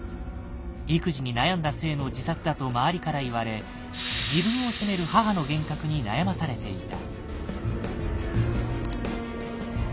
育児に悩んだ末の自殺だと周りから言われ自分を責める母の幻覚に悩まされていた。